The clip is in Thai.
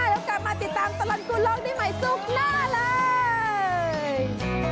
แล้วกลับมาติดตามตลอดกูโลกได้ใหม่ศุกร์หน้าเลย